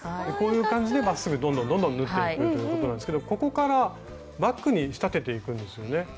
こういう感じでまっすぐどんどんどんどん縫っていくということなんですけどここからバッグに仕立てていくんですよね。